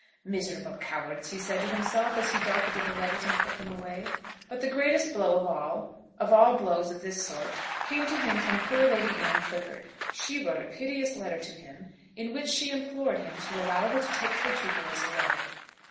"Miserable cowards," he said to himself, as he docketed the letters and put them away. But the greatest blow of all, of all blows of this sort, came to him from poor Lady Anne Clifford. She wrote a piteous letter to him, in which she implored him to allow her to take her two boys away.